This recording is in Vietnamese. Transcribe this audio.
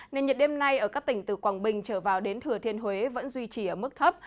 nên nhiệt đêm nay ở các tỉnh từ quảng bình trở vào đến thừa thiên huế vẫn duy trì ở mức thấp